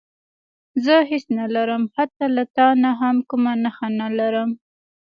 زه هېڅ نه لرم حتی له تا نه هم کومه نښه نه لرم.